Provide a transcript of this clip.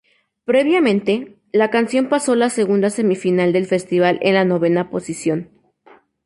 Previamente, la canción pasó la segunda semifinal del festival en la novena posición.